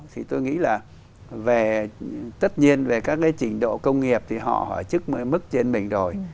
thì tôi nghĩ là về tất nhiên về các cái trình độ công nghiệp thì họ ở trước mức trên mình rồi